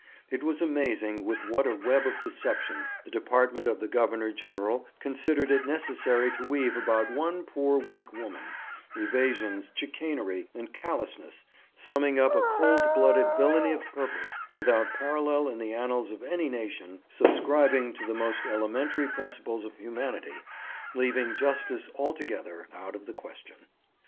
It was amazing with what a web of deception the Department of the Governor General considered it necessary to weave about one poor weak woman, evasions, chicanery, and callousness summing up a cold blooded villany of purpose without parallel in the annals of any nation subscribing to the most elementary principles of humanity, leaving justice altogether out of the question.